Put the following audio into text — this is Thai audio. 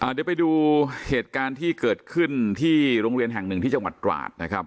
เดี๋ยวไปดูเหตุการณ์ที่เกิดขึ้นที่โรงเรียนแห่งหนึ่งที่จังหวัดตราดนะครับ